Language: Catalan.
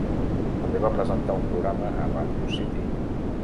També va presentar un programa a Radio City.